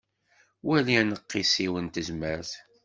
Wali aneqqis-iw n tezmert.